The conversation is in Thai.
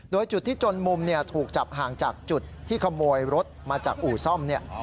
โดยจุดที่จนมุมถูกจับห่างจากจุดที่ขโมยรถมาจากอู่ซ่อม